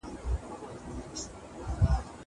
زه به سبا کتابتون ته راشم!